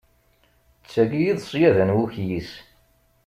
D tagi i d ṣṣyada n wukyis!